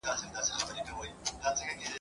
پېغلي به په جګړه کي شاملي سوي وې.